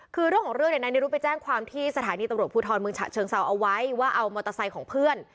คือเรื่องของเรื่องเนี่ยนายนิรุธไปแจ้งความที่สถานีตำรวจภูทรเมืองฉะเชิงเซาเอาไว้ว่าเอามอเตอร์ไซค์ของเพื่อน